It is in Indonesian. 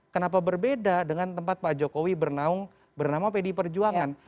kenapa berbeda dengan tempat pak jokowi bernama pdi perjuangan